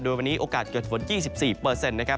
โดยวันนี้โอกาสเกิดฝน๒๔นะครับ